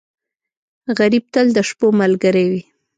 غریب تل د شپو ملګری وي